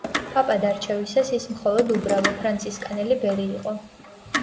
პაპად არჩევისას ის მხოლოდ უბრალო ფრანცისკანელი ბერი იყო.